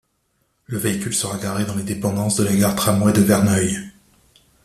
Le véhicule sera garé dans les dépendances de la gare tramway de Verneuil.